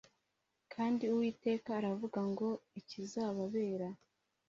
kandi uwiteka aravuga ngo ikizababera